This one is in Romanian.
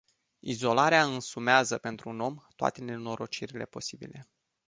Izolarea însumează pentru un om toate nenorocirile posibile.